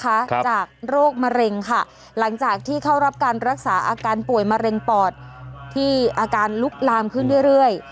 จากโรคมะเร็งค่ะหลังจากที่เข้ารับการรักษาอาการป่วยมะเร็งปอดที่อาการลุกลามขึ้นเรื่อยเรื่อย